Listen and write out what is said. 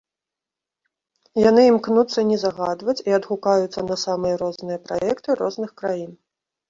Яны імкнуцца не загадваць і адгукаюцца на самыя розныя праекты розных краін.